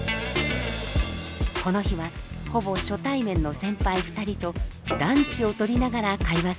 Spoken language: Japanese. この日はほぼ初対面の先輩２人とランチをとりながら会話することに。